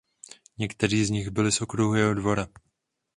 Někteří z nich byli z okruhu jeho dvora.